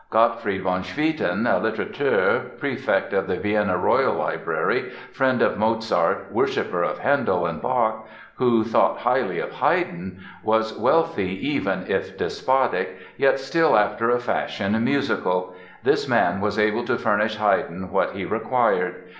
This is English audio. Gottfried van Swieten, a literatteur, prefect of the Vienna Royal Library, friend of Mozart, worshipper of Handel and Bach, who thought highly of Haydn, was wealthy even if despotic, yet still after a fashion musical—this man was able to furnish Haydn what he required.